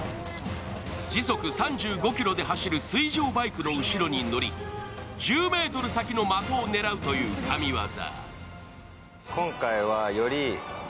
時速３５キロで走る水上バイクの後ろに乗り、１０ｍ先の的を狙うという神業。